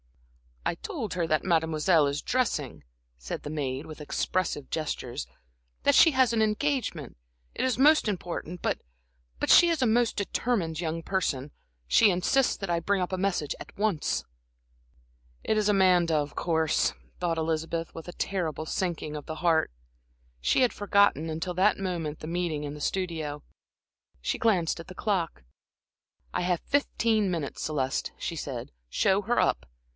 "I told her that Mademoiselle is dressing," said the maid, with expressive gestures; "that she has an engagement, it is most important, but but she is a most determined young person, she insists that I bring up a message at once." "It is Amanda, of course," thought Elizabeth, with a terrible sinking of the heart. She had forgotten, until that moment, the meeting in the studio. She glanced at the clock. "I have fifteen minutes, Celeste," she said. "Show her up.